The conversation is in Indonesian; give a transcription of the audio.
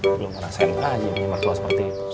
belum pernah sentra aja punya mertua seperti itu